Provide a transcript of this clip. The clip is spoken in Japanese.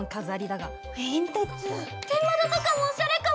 天窓とかもおしゃれかも。